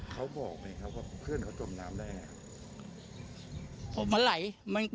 เขาบอกไหมครับว่าเพื่อนเขาจมน้ำได้ไง